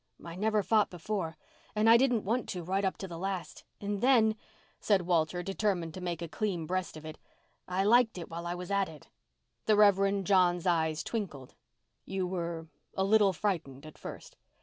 "I never fought before—and I didn't want to right up to the last—and then," said Walter, determined to make a clean breast of it, "I liked it while I was at it." The Rev. John's eyes twinkled. "You were—a little frightened—at first?"